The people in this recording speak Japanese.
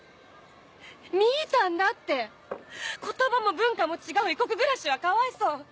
みぃたんだって言葉も文化も違う異国暮らしはかわいそう。